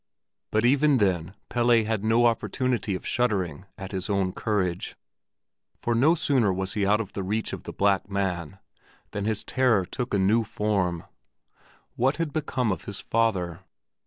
But even then Pelle had no opportunity of shuddering at his own courage; for no sooner was he out of the reach of the black man, than his terror took a new form. What had become of his father?